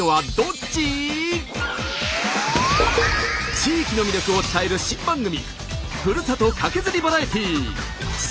地域の魅力を伝える新番組